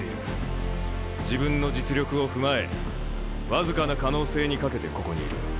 自分の実力を踏まえ僅かな可能性に懸けてここにいる。